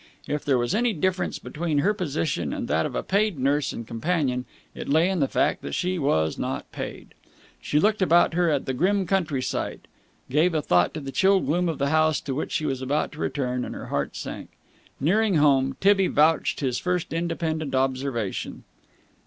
If there was any difference between her position and that of a paid nurse and companion it lay in the fact that she was not paid. She looked about her at the grim countryside, gave a thought to the chill gloom of the house to which she was about to return, and her heart sank. Nearing home, Tibby vouched his first independent observation.